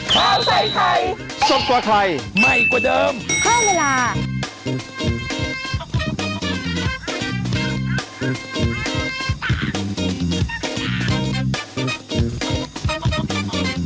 สวัสดีค่ะ